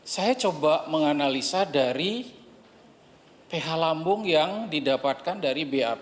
saya coba menganalisa dari ph lambung yang didapatkan dari bap